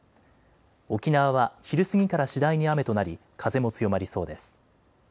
沖縄は昼過ぎから次第に雨となり風も強まりそうです。